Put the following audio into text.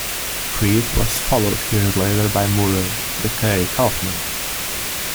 Freed was followed years later by Murray "the K" Kaufman.